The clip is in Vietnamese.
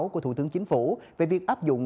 của thủ tướng chính phủ về việc áp dụng